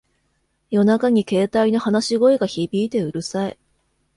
夜中に携帯の話し声が響いてうるさい